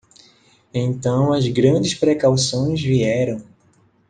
Então as grandes precauções vieram.